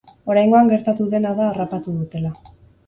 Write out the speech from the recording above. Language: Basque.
Oraingoan gertatu dena da harrapatu dutela.